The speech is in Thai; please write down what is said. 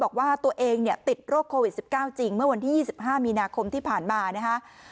บอกว่าตัวเองเนี่ยติดโรคโควิดสิบเก้าจริงเมื่อวันที่ยี่สิบห้ามีนาคมที่ผ่านมานะคะ